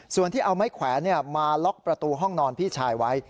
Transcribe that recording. ส่วนที่เอาไม้แขวนมาล็อกประตูห้องนอนพี่ชายไว้